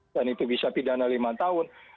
dan itu bisa pidana lima tahun